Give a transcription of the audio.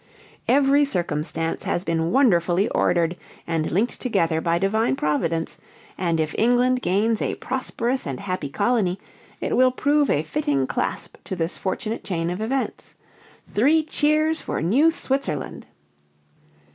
"Every circumstance has been wonderfully ordered and linked together by Divine Providence, and if England gains a prosperous and happy colony, it will prove a fitting clasp to this fortunate chain of events. Three cheers for New Switzerland!"